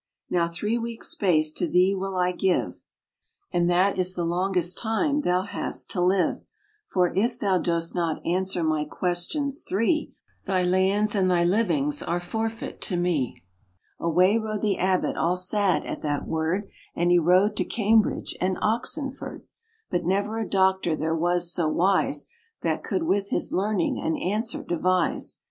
"Now three weeks' space to thee will I give, And that is the longest time thou hast to live; For if thou dost not answer my questions three, Thy lands and thy livings are forfeit to me." RAINBOW GOLD Away rode the abbot all sad at that word, And he rode to Cambridge, and Oxenford; But never a doctor there was so wise, That could with his learning an answer devise.